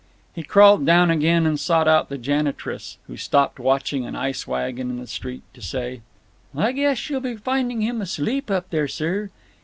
He crawled down again and sought out the janitress, who stopped watching an ice wagon in the street to say: "I guess you'll be finding him asleep up there, sir.